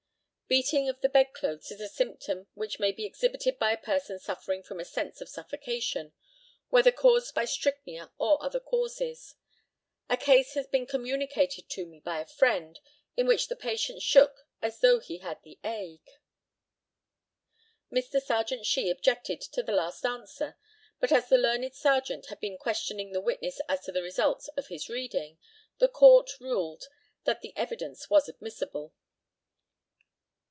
Beating of the bed clothes is a symptom which may be exhibited by a person suffering from a sense of suffocation, whether caused by strychnia or other causes. A case has been communicated to me by a friend, in which the patient shook as though he had the ague. Mr. Serjeant SHEE objected to this last answer, but as the learned Serjeant had been questioning the witness as to the results of his reading, The COURT ruled that the evidence was admissible.